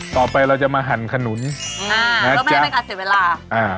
ต่อไปเราจะมาหั่นขนุนอ่าแล้วไม่ให้มันกัดเสร็จเวลาอ่า